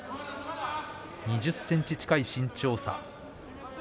２０ｃｍ近くの身長差。